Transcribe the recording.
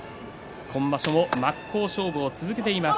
今場所も真っ向勝負を続けています。